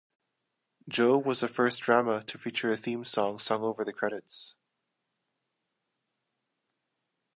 Joe was the first drama to feature a theme song sung over the credits.